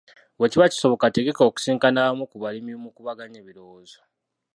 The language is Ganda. Bwe kiba kisoboka tegeka okusisinkana abamu ku balimi mukubaganye ebirowoozo